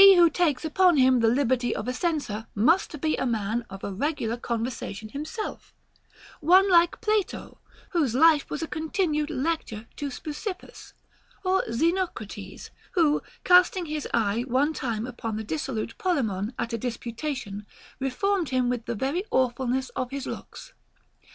150 HOW TO KNOW A FLATTERER takes upon him the liberty of a censor must be a man of a regular conversation himself, — one like Plato, whose life was a continued lecture to Speusippus, or Xenocrates, who, casting his eye one time upon the dissolute Polemon at a disputation, reformed him with the very awfulness of his looks.